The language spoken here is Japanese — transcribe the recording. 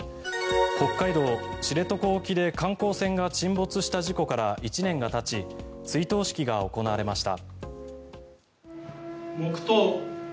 北海道・知床沖で観光船が沈没した事故から１年がたち追悼式が行われました。